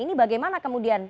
ini bagaimana kemudian